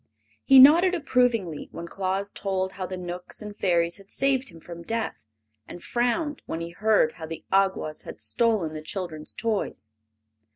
He nodded approvingly when Claus told how the Knooks and Fairies had saved him from death, and frowned when he heard how the Awgwas had stolen the children's toys.